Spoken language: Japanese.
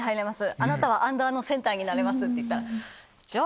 あなたはアンダーのセンターになれますっていったらじゃあ